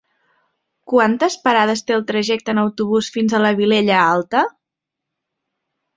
Quantes parades té el trajecte en autobús fins a la Vilella Alta?